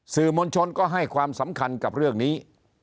สื่อมวลชนก็ให้ความสำคัญกับเรื่องนี้